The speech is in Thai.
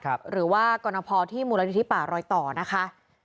หรือว่ากรณพที่มูลนิธิป่ารอยต่อนะคะ